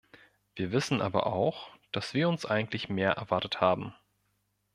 Wir wissen aber auch, dass wir uns eigentlich mehr erwartet haben.